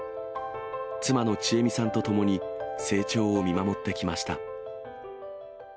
妻の千恵美さんと共に成長を見守ってきました。